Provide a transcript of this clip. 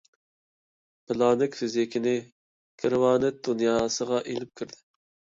پىلانىك فىزىكىنى كىۋانت دۇنياسىغا ئېلىپ كىردى.